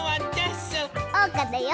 おうかだよ！